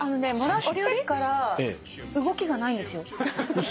もらってから動きがないんですよ。